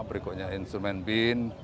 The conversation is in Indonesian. berikutnya instrumen bin